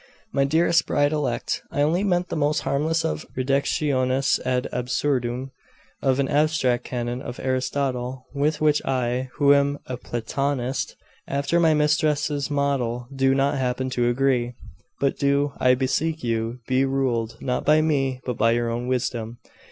'My dearest bride elect, I only meant the most harmless of reductiones ad absurdum of an abstract canon of Aristotle, with which I, who am a Platonist after my mistress's model, do not happen to agree. But do, I beseech you, be ruled, not by me, but by your own wisdom.